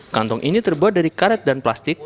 kantong ini terbuat dari karet dan plastik